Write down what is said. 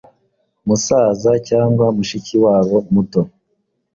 musaza cyangwa mushiki wabo muto.